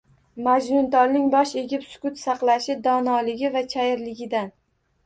Majnuntolning bosh egib sukut saqlashi donoligi va chayirligidan.